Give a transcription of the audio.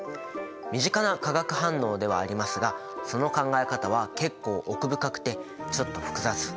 身近な化学反応ではありますがその考え方は結構奥深くてちょっと複雑。